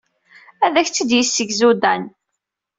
Ad ak-tt-id-yessegzu Dan.